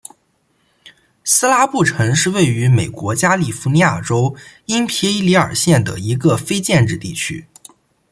斯拉布城是位于美国加利福尼亚州因皮里尔县的一个非建制地区。